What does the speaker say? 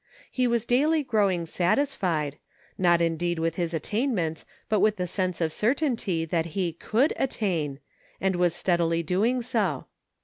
He was daily growing satisfied, not indeed with his attainments, but with the sense of certainty that he could attain, and was steadily doing so.